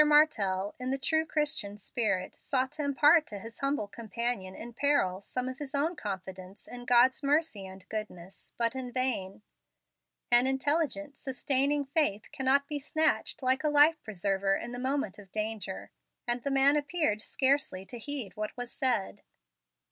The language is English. Martell, in the true Christian spirit, sought to impart to his humble companion in peril some of his own confidence in God's mercy and goodness; but in vain. An intelligent, sustaining faith cannot be snatched like a life preserver in the moment of danger; and the man appeared scarcely to heed what was said.